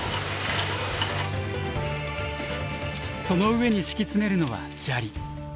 その上に敷き詰めるのは砂利。